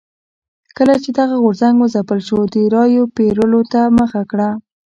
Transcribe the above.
کله چې دغه غورځنګ وځپل شو د رایو پېرلو ته مخه کړه.